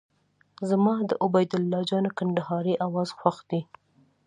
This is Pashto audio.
زما د عبید الله جان کندهاري اواز خوښ دی.